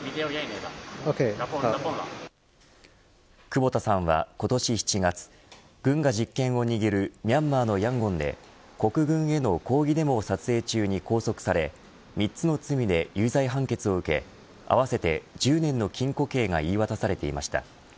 久保田さんは今年７月軍が実権を握るミャンマーのヤンゴンで国軍への抗議デモを撮影中に拘束され３つの罪で有罪判決を受け合わせて１０年の禁固刑が言い渡されていました。